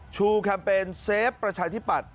แคมเปญเซฟประชาธิปัตย